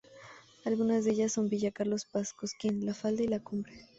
Algunas de ellas son Villa Carlos Paz, Cosquín, La Falda, La Cumbre.